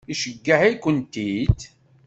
Iceyyeε-ikent-id?